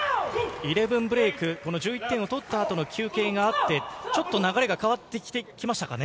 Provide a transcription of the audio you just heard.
イレブンブレイク、１１点を取った後の休憩があって、ちょっと流れが変わってきましたかね。